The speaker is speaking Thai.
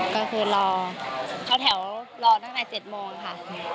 ก็คือรอเข้าแถวรอตั้งแต่๗โมงค่ะ